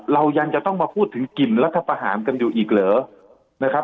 เรายังจะต้องมาพูดถึงกลิ่นรัฐประหารกันอยู่อีกเหรอนะครับ